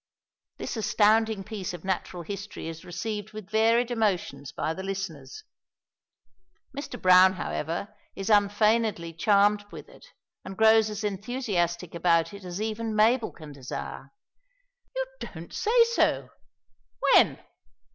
This astounding piece of natural history is received with varied emotions by the listeners. Mr. Browne, however, is unfeignedly charmed with it, and grows as enthusiastic about it as even Mabel can desire. "You don't say so! When?